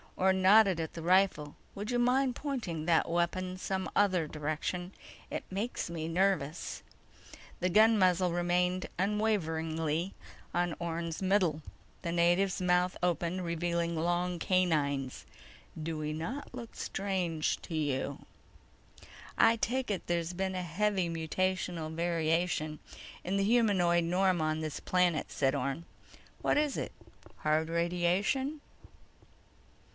Orne nodded at the rifle. "Would you mind pointing that weapon some other direction? It makes me nervous." The gun muzzle remained unwaveringly on Orne's middle. The native's mouth opened, revealing long canines. "Do we not look strange to you?" "I take it there's been a heavy mutational variation in the humanoid norm on this planet," said Orne. "What is it? Hard radiation?"